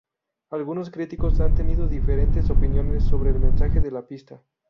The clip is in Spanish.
Algunos críticos han tenido diferentes opiniones sobre el mensaje de la pista.